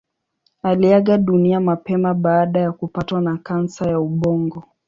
Aliaga dunia mapema baada ya kupatwa na kansa ya ubongo.